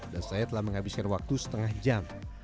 dan saya telah menghabiskan waktu setengah jam